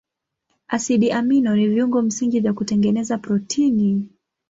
Asidi amino ni viungo msingi vya kutengeneza protini.